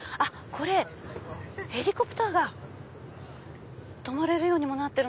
これヘリコプターが止まれるようにもなってるんだ。